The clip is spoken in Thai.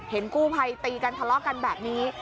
กู้ภัยตีกันทะเลาะกันแบบนี้